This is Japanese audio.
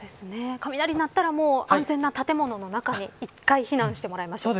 雷が鳴ったら安全な建物の中に１回避難してもらいましょう。